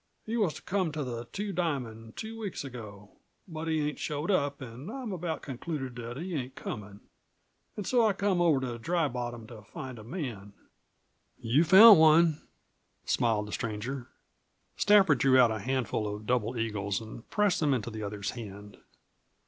He was to come to the Two Diamond two weeks ago. But he ain't showed up, an' I've about concluded that he ain't comin'. An' so I come over to Dry Bottom to find a man." "You've found one," smiled the stranger. Stafford drew out a handful of double eagles and pressed them into the other's hand.